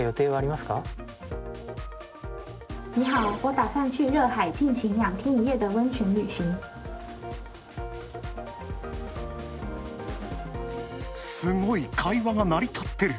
すごい！会話が成り立ってる！